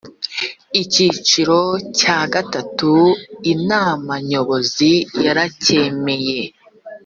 icyiciro cya gatatu inama nyobozi yaracyemeye